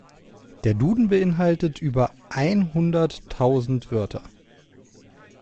Der Duden beeinhaltet über einhunderttausend Wörter.